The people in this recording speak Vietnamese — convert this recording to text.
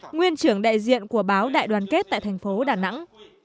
nguyên trưởng đại diện của báo đại đoàn kết tại thành phố đà nẵng